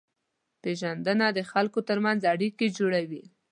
پېژندنه د خلکو ترمنځ اړیکې جوړوي.